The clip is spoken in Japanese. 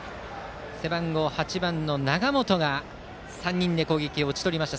背番号８番の永本が３人で攻撃を打ち取りました。